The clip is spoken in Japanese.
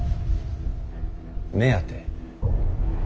目当て？